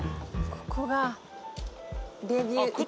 ここがレビュー１。